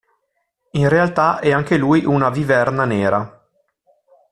In realtà è anche lui una viverna nera.